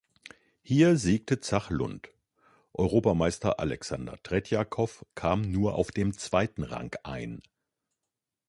Hier siegte Zach Lund, Europameister Alexander Tretjakow kam nur auf dem zweiten Rang ein.